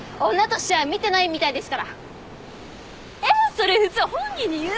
それ普通本人に言う？